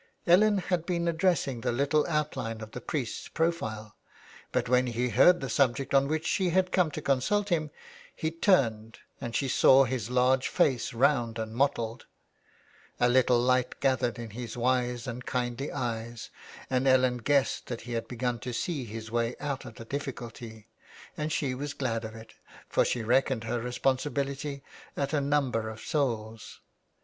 Ellen had been addressing the little outline of the priest's profile, but when he heard the subject on which she had come to consult him he turned and she saw his large face, round and mottled. A little light gathered in his wise and kindly eyes, and Ellen guessed that he had begun to see his way out of the diffi culty, and she was glad of it, for she reckoned her responsibility at a number of souls.